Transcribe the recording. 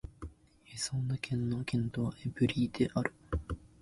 エソンヌ県の県都はエヴリーである